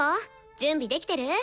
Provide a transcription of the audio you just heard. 準備できてる？